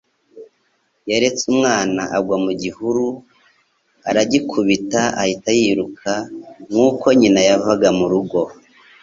Yaretse umwana agwa mu gihuru, aragikubita ahita yiruka nk'uko nyina yavaga mu rugo.